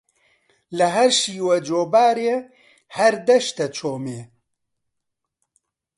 لە هەر شیوە جۆبارێ هەر دەشتە چۆمێ